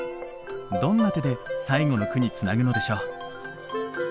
どんな手で最後の句につなぐのでしょう。